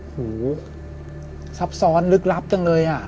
หูซับซ้อนลึกลับจังเลยอ่ะ